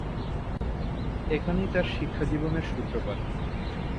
এখানেই তার শিক্ষাজীবনের সূত্রপাত।